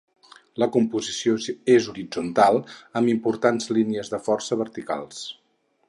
La composició és horitzontal amb importants línies de força verticals.